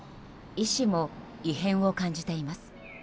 医師も異変を感じています。